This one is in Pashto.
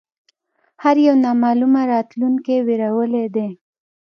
هر یو نامعلومه راتلونکې وېرولی دی